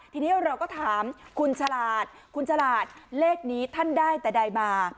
ทีนี้เราก็ถามคุณฉลาดคุณฉลาดเลขนี้ท่านได้แต่ใดมา